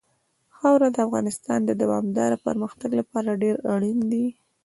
خاوره د افغانستان د دوامداره پرمختګ لپاره ډېر اړین دي.